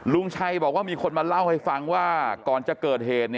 ลุงชัยบอกว่ามีคนมาเล่าให้ฟังว่าก่อนจะเกิดเหตุ